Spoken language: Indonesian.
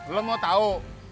lu mau tau